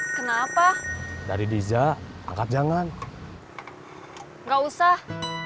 kenapa dari deja angkat jangan nggak usah